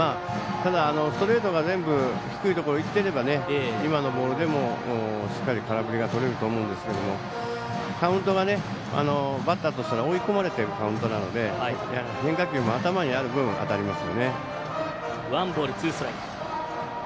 ただ、ストレートが全部低いところいってれば今のボールでもしっかり空振りが取れると思うんですけどカウントがバッターとしては追い込まれているカウントなので変化球も頭にある分当たりますよね。